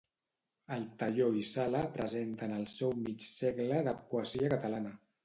Altaió i Sala presenten el seu Mig segle de poesia catalana.